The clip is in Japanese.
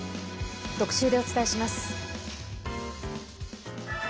特集でお伝えします。